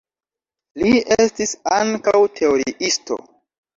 Li estis ankaŭ teoriisto.